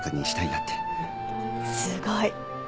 すごい。